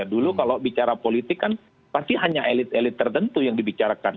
dulu kalau bicara politik kan pasti hanya elit elit tertentu yang dibicarakan